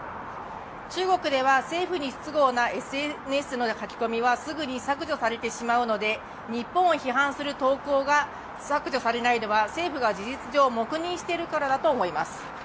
中国では政府に不都合なＳＮＳの書き込みなどはすぐに削除されてしまうので、日本を批判する投稿が削除されないのは政府が事実上、黙認しているからだと思います。